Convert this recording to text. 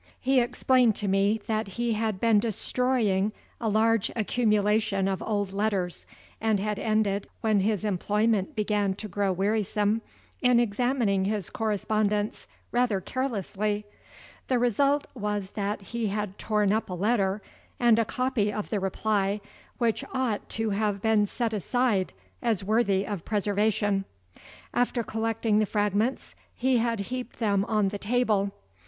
He explained to me that he had been destroying a large accumulation of old letters, and had ended (when his employment began to grow wearisome) in examining his correspondence rather carelessly. The result was that he had torn up a letter, and a copy of the reply, which ought to have been set aside as worthy of preservation. After collecting the fragments, he had heaped them on the table.